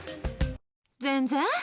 全然。